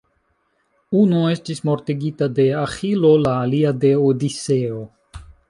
Unu estis mortigita de Aĥilo, la alia de Odiseo.